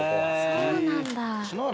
そうなんだ。